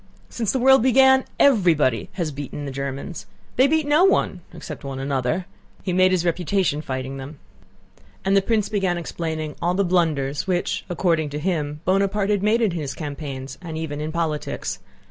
Since the world began everybody has beaten the Germans. They beat no one—except one another. He made his reputation fighting them." And the prince began explaining all the blunders which, according to him, Bonaparte had made in his campaigns and even in politics.